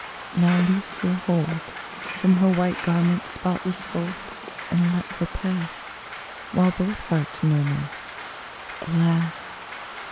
Now loose your hold From her white garment's spotless fold, And let her pass — While both hearts murmur, ''Alas